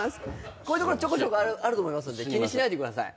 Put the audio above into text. こういうところちょこちょこあると思いますんで気にしないでください。